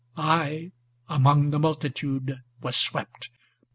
I among the multitude Was swept.